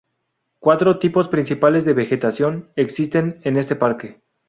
Cuatro tipos principales de vegetación existen en este parque.